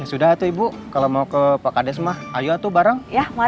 ya sudah ibu kalau mau ke pak ades ayo bareng